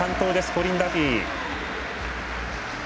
コリン・ダフィー。